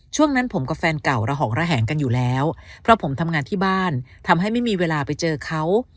ช่วงนั้นผมกับแฟนเก่าระหองระแหงกันอยู่แล้วเพราะผมทำงานที่บ้านทำให้ไม่มีเวลาไปเจอเขา